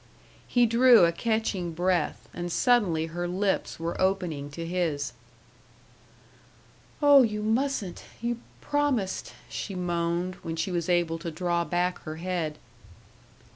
He drew a catching breath, and suddenly her lips were opening to his. "Oh, you mustn't you promised " she moaned, when she was able to draw back her head.